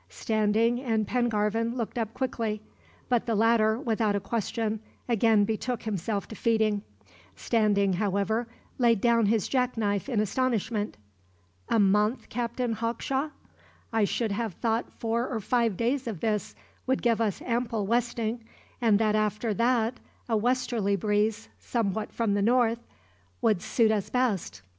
Standing and Pengarvan looked up quickly; but the latter, without a question, again betook himself to feeding. Standing, however, laid down his jackknife in astonishment. "A month, Captain Hawkshaw? I should have thought four or five days of this would give us ample westing, and that after that a westerly breeze, somewhat from the north, would suit us best."